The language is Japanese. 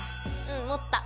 うん持った。